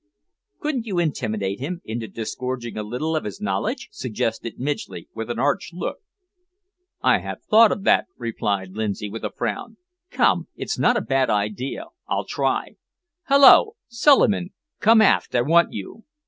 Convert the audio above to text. "Couldn't you intimidate him into disgorging a little of his knowledge?" suggested Midgley, with an arch look. "I have thought of that," replied Lindsay, with a frown. "Come, it's not a bad idea; I'll try! Hallo! Suliman, come aft, I want you."